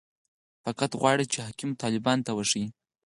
فقط غواړي چې حاکمو طالبانو ته وښيي.